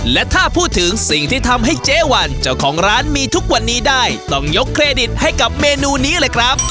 และถ้าพูดถึงสิ่งที่ทำให้เจ๊วันเจ้าของร้านมีทุกวันนี้ได้ต้องยกเครดิตให้กับเมนูนี้เลยครับ